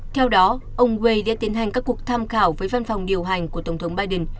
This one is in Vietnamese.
theo đó ông wei đã tiến hành các cuộc tham khảo với văn phòng điều hành của tổng thống biden